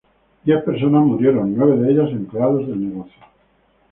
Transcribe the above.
Diez personas murieron, nueve de ellas, empleados del negocio.